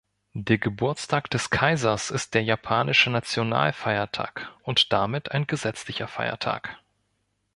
Der Geburtstag des Kaisers ist der japanische Nationalfeiertag und damit ein gesetzlicher Feiertag.